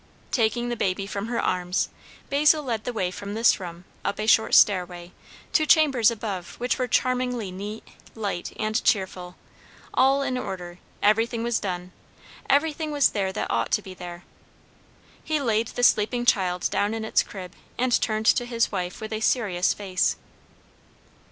Taking the baby from her arms, Basil led the way from this room, up a short stairway, to chambers above which were charmingly neat, light, and cheerful, all in order; everything was done, everything was there that ought to be there. He laid the sleeping child down in its crib, and turned to his wife with a serious face.